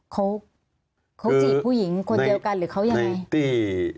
เขาเขาจีบผู้หญิงคนเดียวกันหรือเขายังไง